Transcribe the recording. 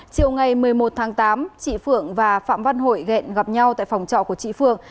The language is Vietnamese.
chiều ngày một mươi một tháng tám chị phượng và phạm văn hội ghẹn gặp nhau tại phòng trọ của chị phương